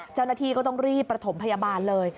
เจ้าหน้าที่ก็ต้องรีบประถมพยาบาลเลย